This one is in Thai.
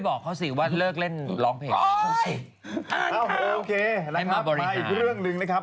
โอเคมาอีกเรื่องหนึ่งนะครับ